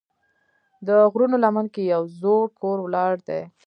د غرونو لمن کې یو زوړ کور ولاړ دی.